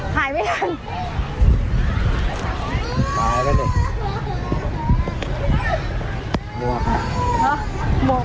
ประดิษฐ์เร็ว